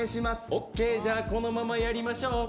オッケーじゃあこのままやりましょう。